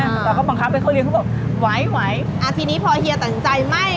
คุณตาก็บังคับให้เขาเลี้ยเขาบอกไหวไหวอ่าทีนี้พอเฮียตัดสินใจไม่